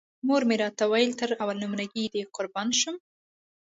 مور مې راته ویل تر اول نمره ګۍ دې قربان شم.